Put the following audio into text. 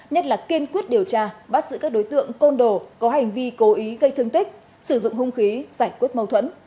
nhất là kiên quyết điều tra bắt giữ các đối tượng côn đồ có hành vi cố ý gây thương tích sử dụng hung khí giải quyết mâu thuẫn